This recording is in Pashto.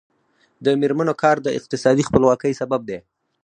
د میرمنو کار د اقتصادي خپلواکۍ سبب دی.